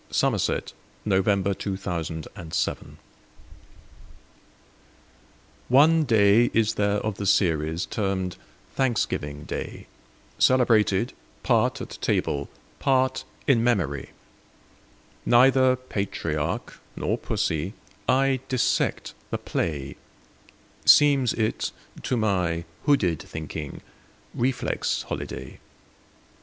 Part One: Life CXXXVII ONE day is there of the seriesTermed Thanksgiving day, Celebrated part at table, Part in memory. Neither patriarch nor pussy,I dissect the play; Seems it, to my hooded thinking, Reflex holiday.